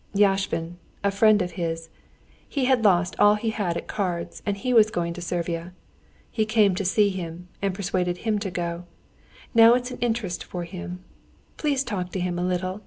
Yashvin—a friend of his—he had lost all he had at cards and he was going to Servia. He came to see him and persuaded him to go. Now it's an interest for him. Do please talk to him a little.